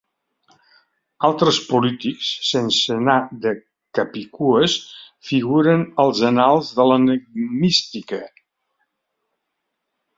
Altres polítics, sense anar de capicues, figuren als annals de l'enigmística.